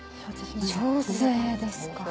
調整ですか。